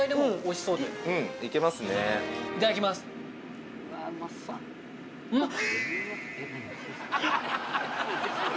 いただきますうっ